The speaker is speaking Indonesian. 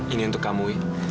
ini untuk kamu